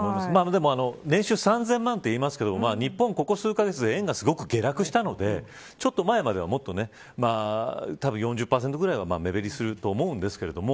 でも、年収３０００万といいますけど日本はここ数年で円がすごく下落したのでちょっと前までは、たぶん４０％ぐらいは目減りすると思うんですけど。